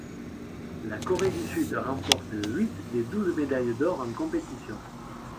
La Corée du Sud remporte huit des douze médailles d'or en compétition.